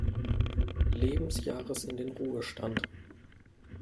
Lebensjahres in den Ruhestand.